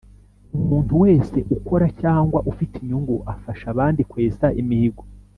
Umuntu wese ukora cyangwa ufite inyungu afasha abandi kwesa imihigo